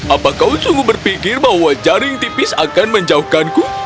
apa kau sungguh berpikir bahwa jaring tipis akan menjauhkanku